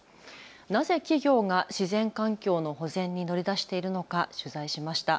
なぜ企業が自然環境の保全に乗り出しているのか取材しました。